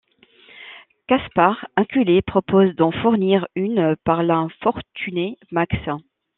Kaspar, acculé, propose d'en fournir une par l'infortuné Max.